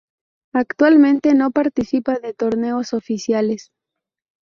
Actualmente no participa de torneos oficiales.